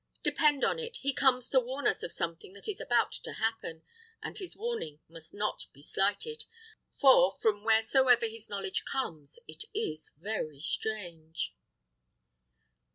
Depend on it, he comes to warn us of something that is about to happen, and his warning must not be slighted; for, from wheresoever his knowledge comes, it is very strange."